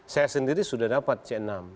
saya sendiri sudah dapat c enam